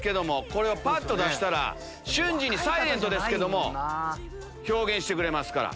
これをぱっと出したら瞬時にサイレントですけども表現してくれますから。